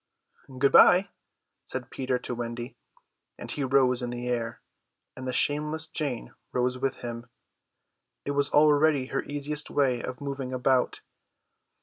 "Good bye," said Peter to Wendy; and he rose in the air, and the shameless Jane rose with him; it was already her easiest way of moving about.